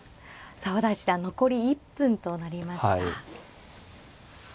澤田七段残り１分となりました。